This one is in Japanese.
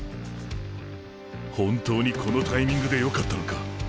本当にこのタイミングでよかったのか。